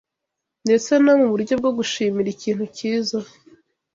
Ndetse no mu buryo bwo gushimira ikintu cyiza